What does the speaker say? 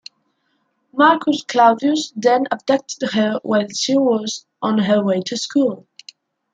Marcus Claudius then abducted her while she was on her way to school.